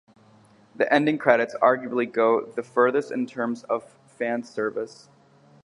The ending credits arguably go the furthest in terms of fan service.